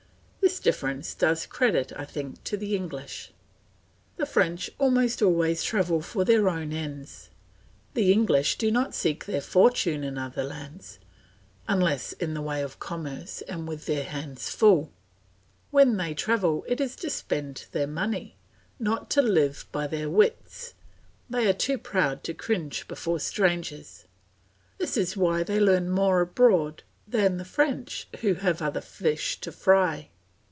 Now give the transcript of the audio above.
This difference does credit, I think, to the English. The French almost always travel for their own ends; the English do not seek their fortune in other lands, unless in the way of commerce and with their hands full; when they travel it is to spend their money, not to live by their wits; they are too proud to cringe before strangers. This is why they learn more abroad than the French who have other fish to fry.